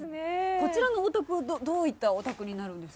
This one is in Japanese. こちらのお宅はどういったお宅になるんですか？